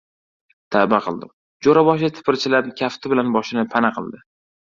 — Tavba qildim! — Jo‘raboshi tipirchilab, kafti bilan boshini pana qildi.